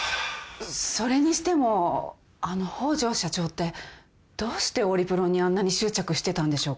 それにしてもあの北條社長ってどうしてオリプロにあんなに執着してたんでしょうか？